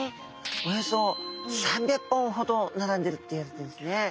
およそ３００本ほど並んでるっていわれているんですね。